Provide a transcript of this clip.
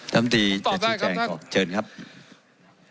ตอบได้ครับท่าน